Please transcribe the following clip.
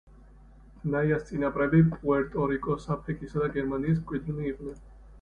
ნაიას წინაპრები პუერტო-რიკოს, აფრიკისა და გერმანიის მკვიდრნი იყვნენ.